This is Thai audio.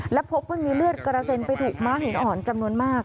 และพบว่ามีเลือดกระเซ็นไปถูกม้าหินอ่อนจำนวนมาก